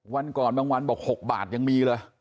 วันก่อนบางวันบอก๖บาทยังมีเลย